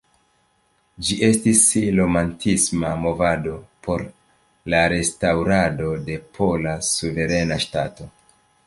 Ĝi estis Romantisma movado por la restaŭrado de Pola suverena ŝtato.